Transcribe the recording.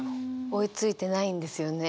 追いついてないんですよね